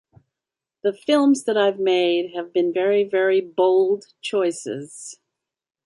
The films that I've made have been very, very bold choices.